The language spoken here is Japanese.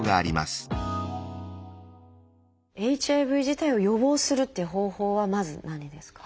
ＨＩＶ自体を予防するっていう方法はまず何ですか？